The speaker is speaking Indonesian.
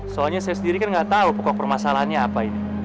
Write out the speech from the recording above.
soalnya saya sendiri kan nggak tahu pokok permasalahannya apa ini